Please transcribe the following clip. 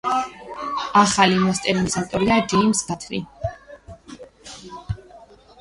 ახალი მასტერინგის ავტორია ჯეიმზ გათრი.